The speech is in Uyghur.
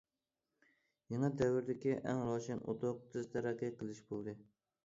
يېڭى دەۋردىكى ئەڭ روشەن ئۇتۇق— تېز تەرەققىي قىلىش بولدى.